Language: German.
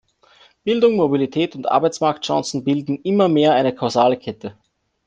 Bildung, Mobilität und Arbeitsmarktchancen bilden immer mehr eine kausale Kette.